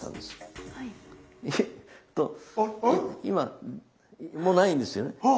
今もうないんですよね。